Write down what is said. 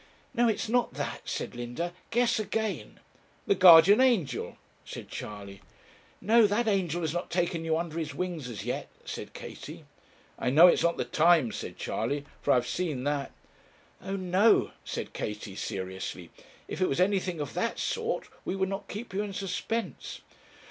'No, it's not that,' said Linda; 'guess again.' 'The Guardian Angel,' said Charley. 'No that angel has not taken you under his wings as yet,' said Katie. 'I know it's not the Times,' said Charley, 'for I have seen that.' 'O no,' said Katie, seriously; 'if it was anything of that sort, we would not keep you in suspense.'